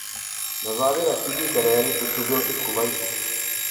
Na závěr aktivní kariéry působil i v Kuvajtu.